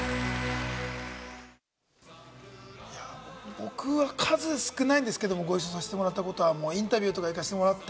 僕は数少ないんですけれども、ご一緒させてもらったことは、インタビューとか行かしてもらった。